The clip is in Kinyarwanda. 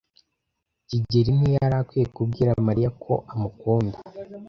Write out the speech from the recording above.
kigeli ntiyari akwiye kubwira Mariya ko amukunda.